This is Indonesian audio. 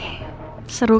ketemunya sama gue